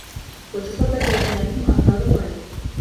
وَتَصَدَّتْ لِأَسْمَاعِهِمْ آثَارُ الْغَيْرِ